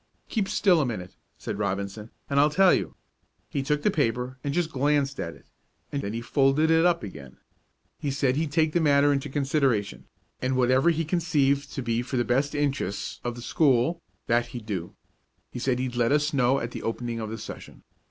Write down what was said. "Keep still a minute," said Robinson, "and I'll tell you. He took the paper and just glanced at it, and then he folded it up again. He said he'd take the matter into consideration, and whatever he conceived to be for the best interests of the school, that he'd do. He said he'd let us know at the opening of the session.